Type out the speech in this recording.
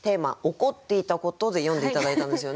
「怒っていたこと」で詠んで頂いたんですよね。